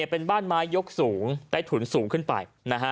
เป็นบ้านไม้ยกสูงได้ถุนสูงขึ้นไป